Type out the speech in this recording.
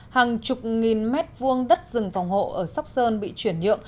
hàng chục nghìn mét vuông đất rừng phòng hộ ở sóc sơn bị chuyển nhượng